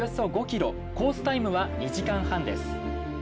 タイムは２時間半です。